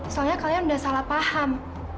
soalnya kalian udah salah paham